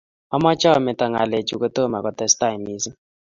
Amoche amete ngalechu kotomo kotestai mising